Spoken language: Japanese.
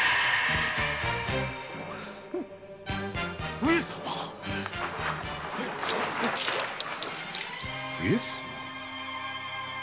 上様上様？